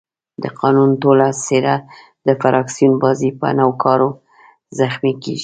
د قانون ټوله څېره د فراکسیون بازۍ په نوکارو زخمي کېږي.